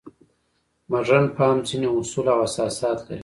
مډرن فهم ځینې اصول او اساسات لري.